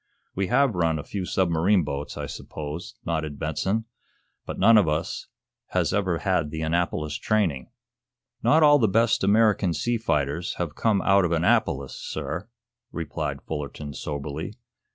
"We have run a few submarine boats, I suppose," nodded Benson. "But none of us has ever had the Annapolis training." "Not all of the best American sea fighters have come out of Annapolis, sir," replied Fullerton, soberly.